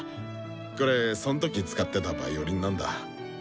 これそん時使ってたヴァイオリンなんだ。